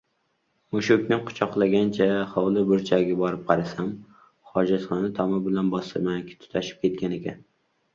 Mushukni quchoqlagancha hovli burchagiga borib qarasam, hojatxona tomi bilan bostirmaniki tutashib kctgan ekan.